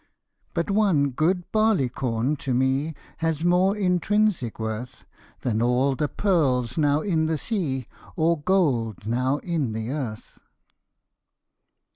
" But one good barley corn to me Has more intrinsic worth Than all the pearls now in the sea, Or gold now in the earth."